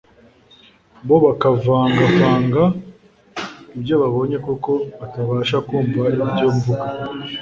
bo bakavangavanga ibyo babonye kuko batabasha kumva ibyo mvuga